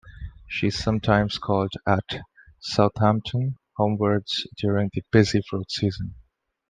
She sometimes called at Southampton homewards during the busy fruit season.